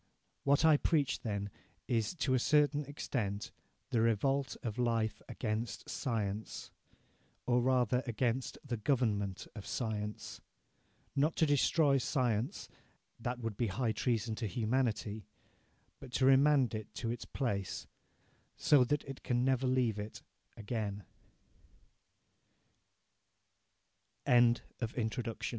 What I preach then is, to a certain extent, the revolt of life against science, or rather against the government of science, not to destroy science that would be high treason to humanity but to remand it to its place so that it can never leave it again Bakunin Internet A